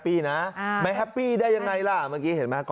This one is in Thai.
นี่ยังถามยิงความถามยิงความ